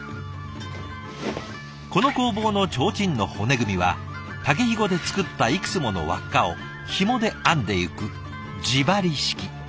この工房の提灯の骨組みは竹ひごで作ったいくつもの輪っかをひもで編んでいく地張り式。